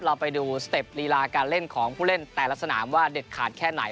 เราไปดูสเต็ปลีลาการเล่นของผู้เล่นแต่ละสนามว่าเด็ดขาดแค่ไหน